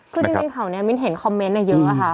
คือจริงข่าวนี้มิ้นเห็นคอมเมนต์เยอะค่ะ